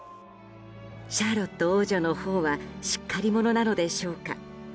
シャーロット王女のほうはしっかり者なのでしょうか